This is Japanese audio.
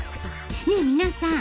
ねえ皆さん